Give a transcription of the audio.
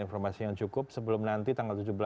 informasi yang cukup sebelum nanti tanggal